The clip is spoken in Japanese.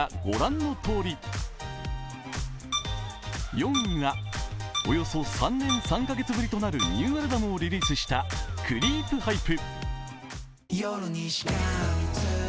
４位は、およそ３年３カ月ぶりとなるニューアルバムをリリースしたクリープハイプ。